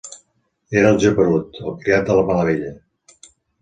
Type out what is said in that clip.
Era el Geperut, el criat de la Malavella.